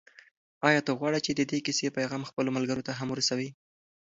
آیا ته غواړې چې د دې کیسې پیغام خپلو ملګرو ته هم ورسوې؟